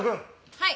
はい。